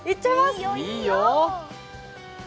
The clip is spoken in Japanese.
いいよ、いいよ！